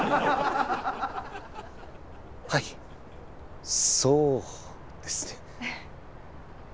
はいそうですね。